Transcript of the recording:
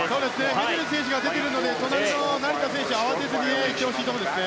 メデル選手が出ているので隣の成田選手は慌てずに行ってほしいところですね。